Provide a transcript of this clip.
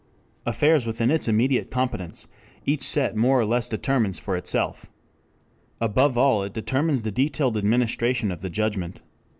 Affairs within its immediate competence each set more or less determines for itself. Above all it determines the detailed administration of the judgment.